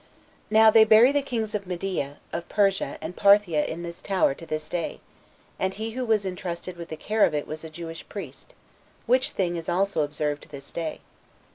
Now they bury the kings of Media, of Persia, and Parthia in this tower to this day, and he who was entrusted with the care of it was a Jewish priest; which thing is also observed to this day.